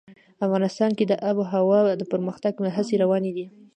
افغانستان کې د آب وهوا د پرمختګ هڅې روانې دي.